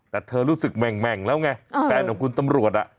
แต่เธอรู้สึกแม่งแล้วไงแฟนของคุณตำรวจ